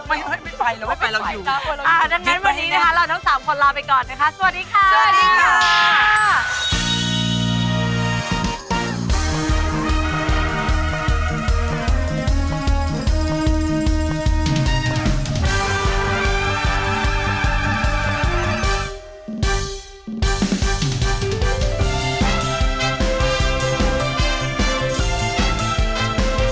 ไม่ไม่ไหวแล้วไม่ไหวเราอยู่